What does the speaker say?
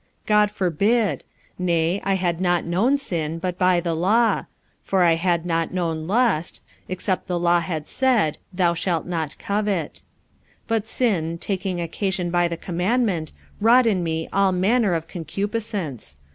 God forbid. Nay, I had not known sin, but by the law: for I had not known lust, except the law had said, Thou shalt not covet. 45:007:008 But sin, taking occasion by the commandment, wrought in me all manner of concupiscence.